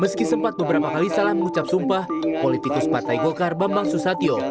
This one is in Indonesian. meski sempat beberapa kali salah mengucap sumpah politikus partai golkar bambang susatyo